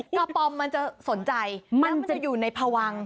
กระป๋อมมันจะสนใจมันจะอยู่ในพวัง